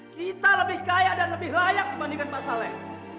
kita lebih kaya dan lebih layak dibandingkan pak saleh